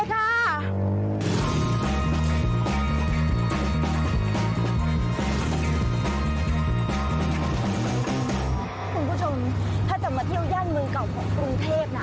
คุณผู้ชมถ้าจะมาเที่ยวย่านเมืองเก่าของกรุงเทพนะ